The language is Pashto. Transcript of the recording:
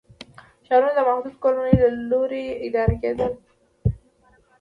ښارونه د محدودو کورنیو له لوري اداره کېدل.